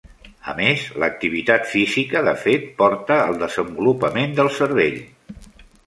A més, l'activitat física, de fet, porta al desenvolupament del cervell.